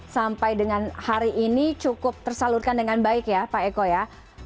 sampai dengan hari ini cukup tersalurkan dengan baik ya pak eko ya